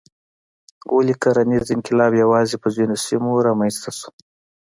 ولې کرنیز انقلاب یوازې په ځینو سیمو رامنځته شو؟